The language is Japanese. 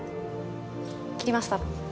切りました。